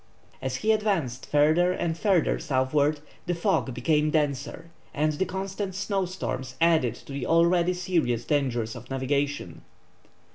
As he advanced further and further southward, the fog became denser and the constant snow storms added to the already serious dangers of navigation.